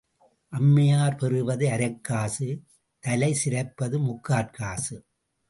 அம்மையார் பெறுவது அரைக்காசு, தலை சிரைப்பது முக்காற் காசு.